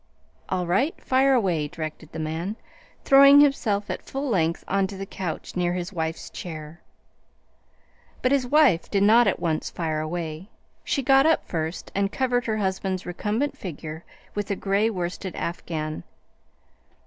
"All right. Fire away," directed the man, throwing himself at full length on to the couch near his wife's chair. But his wife did not at once "fire away." She got up first and covered her husband's recumbent figure with a gray worsted afghan.